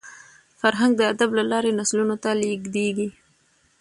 فرهنګ د ادب له لاري نسلونو ته لېږدېږي.